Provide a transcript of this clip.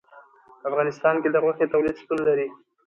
په افغانستان کې د غوښې تولید شتون لري.